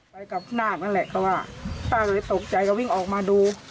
ไปกับนาคนั่นแหละเขาว่าป้าก็เลยตกใจก็วิ่งออกมาดู